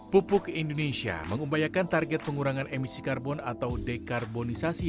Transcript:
pupuk indonesia mengumbayakan target pengurangan emisi karbon atau dekarbonisasi